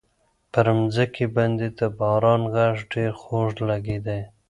پر مځکي باندي د باران غږ ډېر خوږ لګېدی.